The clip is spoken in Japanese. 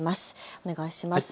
お願いします。